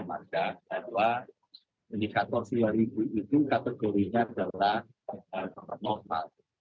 yang pertama indikator tahun dua ribu itu kategorinya adalah normal